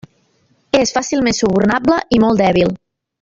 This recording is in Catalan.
És fàcilment subornable i molt dèbil.